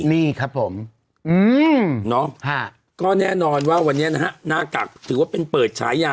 นี่ครับผมเนาะก็แน่นอนว่าวันนี้นะฮะหน้ากักถือว่าเป็นเปิดฉายา